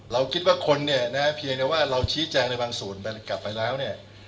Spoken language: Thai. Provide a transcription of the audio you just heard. เราคิดว่าคนเนี่ยนะเพียงแต่ว่าเราชี้แจงในบางส่วนมันกลับไปแล้วเนี่ย